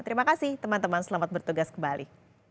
terima kasih teman teman selamat bertugas kembali